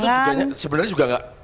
kita itu sebenarnya juga nggak